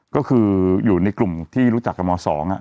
ก็คืออยู่ในกลุ่มที่รู้จักกับม๒